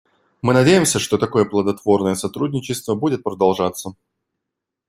Мы надеемся, что такое плодотворное сотрудничество будет продолжаться.